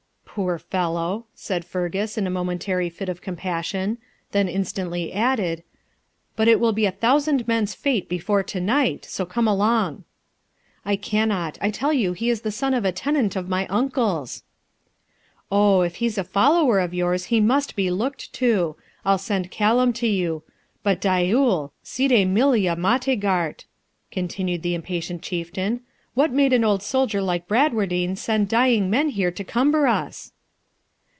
'Poor fellow!' said Fergus, in a momentary fit of compassion; then instantly added, 'But it will be a thousand men's fate before night; so come along.' 'I cannot; I tell you he is a son of a tenant of my uncle's.' 'O, if he's a follower of yours he must be looked to; I'll send Callum to you; but diaoul! ceade millia mottigheart,' continued the impatient Chieftain, 'what made an old soldier like Bradwardine send dying men here to cumber us?'